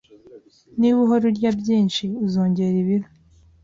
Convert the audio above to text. Niba uhora urya byinshi, uzongera ibiro